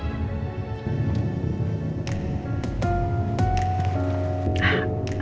aku punya ide